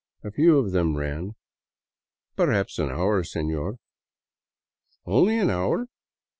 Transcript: A few of them ran: " Ferhaps an hour, s*eiior." Only an hour